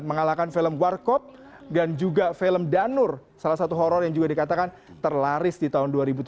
mengalahkan film warkop dan juga film danur salah satu horror yang juga dikatakan terlaris di tahun dua ribu tujuh belas